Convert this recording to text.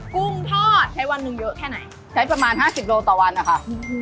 กุ้งทอดใช้วันหนึ่งเยอะแค่ไหนใช้ประมาณ๕๐โลต่อวันนะคะ